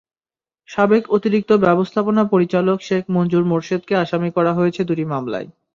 সাবেক অতিরিক্ত ব্যবস্থাপনা পরিচালক শেখ মঞ্জুর মোরশেদকে আসামি করা হয়েছে দুটি মামলায়।